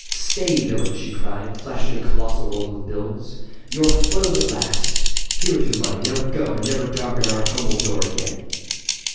"Stay, villain!" she cried, flashing a colossal roll of bills. "You are foiled at last! Here is your money—now go, and never darken our humble door again!"